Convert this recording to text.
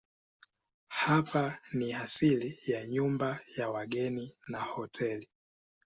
Hapa ni asili ya nyumba ya wageni na hoteli.